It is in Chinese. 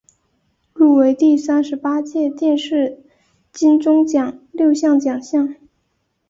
入围第三十八届电视金钟奖六项奖项。